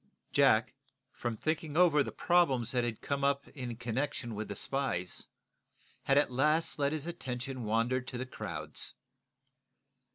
Jack, from thinking over the problems that had come up in connection with the spies, had at last let his attention wander to the crowds.